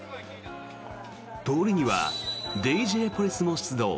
通りにはＤＪポリスも出動。